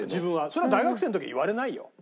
そりゃ大学生の時言われないよ。